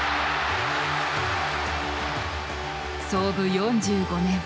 創部４５年。